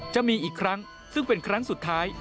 จะมีอีกครั้งซึ่งเป็นครั้งสุดท้าย